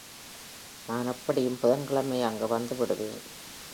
நான் எப்படியும் புதன் கிழமை அங்கு வந்துவிடுவேன்.